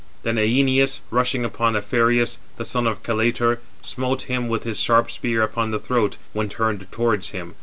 Then Æneas rushing upon Aphareus, the son of Caletor, smote him with his sharp spear upon the throat, when turned towards him.